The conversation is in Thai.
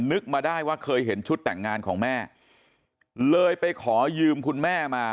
นึกมาได้ว่าเคยเห็นชุดแต่งงานของแม่เลยไปขอยืมคุณแม่มา